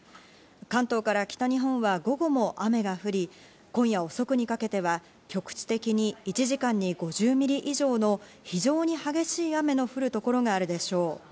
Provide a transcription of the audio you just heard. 関東から北日本は午後も雨が降り、今夜遅くにかけては局地的に１時間に５０ミリ以上の非常に激しい雨の降る所があるでしょう。